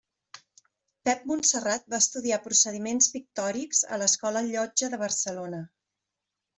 Pep Montserrat va estudiar Procediments Pictòrics a l'Escola Llotja de Barcelona.